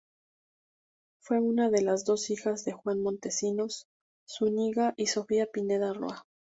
Fue una de las dos hijas de Juan Montecinos Zúñiga y Sofía Pineda Roa.